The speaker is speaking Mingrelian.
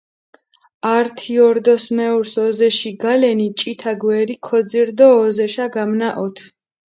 ართი ორდოს მეურს ოზეში გალენი, ჭითა გვერი ქოძირჷ დო ოზეშა გამნაჸოთჷ.